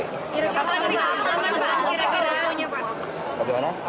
kira kira apa soalnya pak